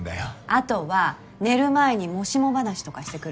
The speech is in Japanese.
あとは寝る前にもしも話とかしてくる。